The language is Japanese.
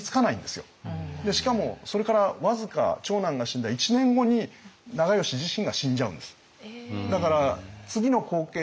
でしかもそれから僅か長男が死んだ１年後に長慶自身が死んじゃうんです。